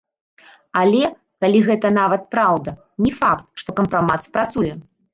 Але, калі гэта нават праўда, не факт, што кампрамат спрацуе.